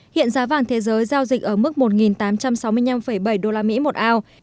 hiện giá vàng thế giới giao dịch ở mức một tám trăm sáu mươi năm bảy đô la mỹ một ao